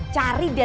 nanti aku jalan